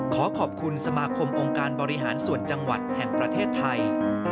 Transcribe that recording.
ขอขอบคุณสมาคมองค์การบริหารส่วนจังหวัดแห่งประเทศไทย